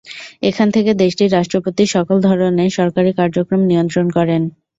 এখান থেকে দেশটির রাষ্ট্রপতি সকল ধরনের সরকারি কার্যক্রম নিয়ন্ত্রণ করেন।